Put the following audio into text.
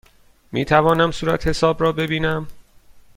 می توانم صورتحساب را ببینم؟